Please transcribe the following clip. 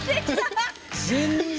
全然。